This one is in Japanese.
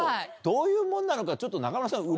どういうもんなのかちょっと。